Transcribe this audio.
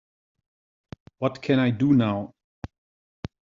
what can I do now?